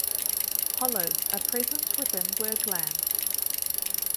Hollows are present within Wergeland.